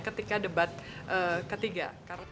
ketika debat ketiga